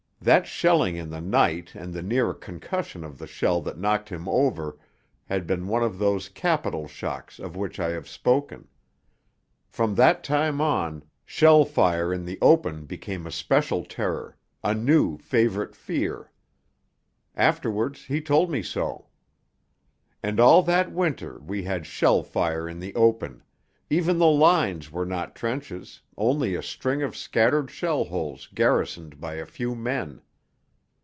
That shelling in the night and the near concussion of the shell that knocked him over had been one of those capital shocks of which I have spoken. From that time on, shell fire in the open became a special terror, a new favourite fear; afterwards he told me so. And all that winter we had shell fire in the open even the 'lines' were not trenches, only a string of scattered shell holes garrisoned by a few men.